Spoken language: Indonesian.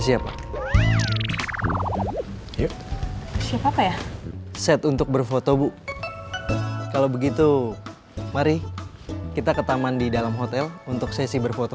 siapa yuk siapa kayak set untuk berfoto bu kalau begitu mari kita ke taman di dalam hotel untuk sesi berfoto